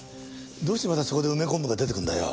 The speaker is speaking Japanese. どうしてまたそこで梅昆布が出てくるんだよ。